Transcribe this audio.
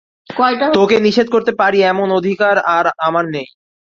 তোকে নিষেধ করতে পারি এমন অধিকার আর আমার নেই।